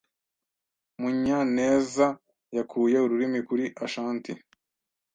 Munyanezyakuye ururimi kuri Ashanti.